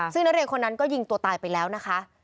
ซึ่งนักเรียนคนนั้นก็ยิงตัวตายไปแล้วนะคะ